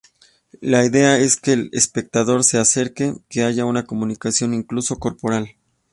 La idea es que el espectador se acerque, que haya una comunicación, incluso corporal.